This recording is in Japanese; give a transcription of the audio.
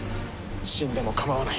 死んでも構わない。